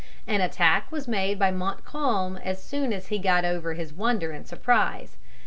An attack was made by Montcalm as soon as he got over his wonder and surprise.